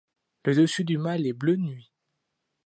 Le dessus du mâle est bleu nuit.